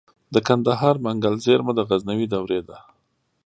د کندهار منگل زیرمه د غزنوي دورې ده